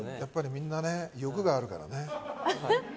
みんな欲があるからね。